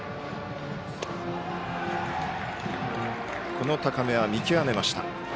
この高めは見極めました。